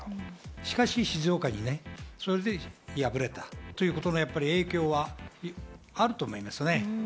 しかし、静岡で敗れたという影響はあると思いますね。